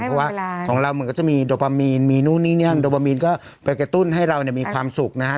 เพราะว่าของเรามันก็จะมีโดปามีนโดปามีนก็ไปกระตุ้นให้เรามีความสุขนะฮะ